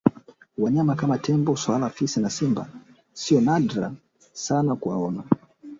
Wanyama kama Tembo swala fisi na Simba sio nadra sana kuwaona